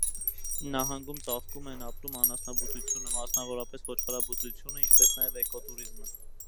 Նահանգում ծաղկում են ապրում անասնաբուծությունը, մասնավորապես՝ ոչխարաբուծությունը, ինչպես նաև՝ էկոտուրիզմը։